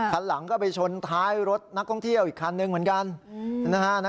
คันหลังก็ไปชนท้ายรถนักท่องเที่ยวอีกคันนึงเหมือนกันนะฮะ